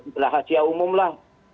berhasil umum lah